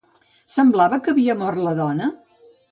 Semblava que havia mort la dona?